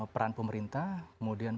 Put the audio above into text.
peran pemerintah kemudian